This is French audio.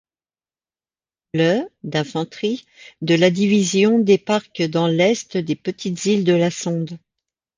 Le d'infanterie de la division débarque dans l'est des petites îles de la Sonde.